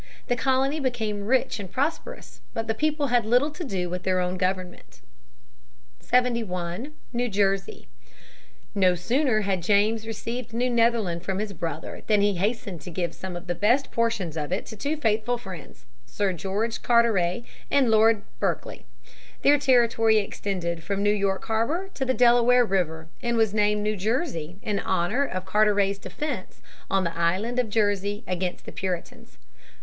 The colony became rich and prosperous, but the people had little to do with their own government. [Sidenote: Origin of New Jersey, 1664.] [Sidenote: Settlement of New Jersey.] 71. New Jersey. No sooner had James received New Netherland from his brother than he hastened to give some of the best portions of it to two faithful friends, Sir George Carteret and Lord Berkeley. Their territory extended from New York harbor to the Delaware River, and was named New Jersey in honor of Carteret's defense of the island of Jersey against the Puritans.